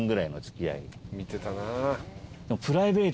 見てたな。